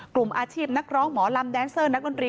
กลุ่มอาชีพนักร้องหมอลำแดนเซอร์นักดนตรี